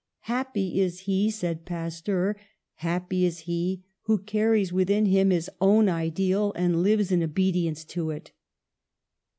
..." "Happy is he," said Pasteur; "happy is he who carries within him his own ideal, and lives in obedience to it."